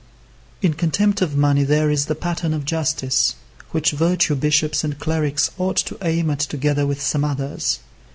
In contempt of money there is the pattern of justice, which virtue bishops and clerics ought to aim at together with some others.